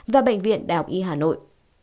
và bệnh viện đạo y hà nội